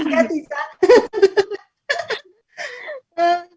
terima kasih mbak tisa